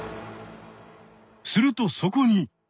するとそこに！